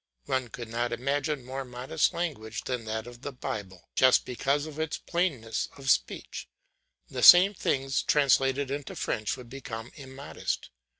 One could not imagine more modest language than that of the Bible, just because of its plainness of speech. The same things translated into French would become immodest.